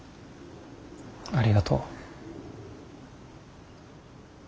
ありがとう。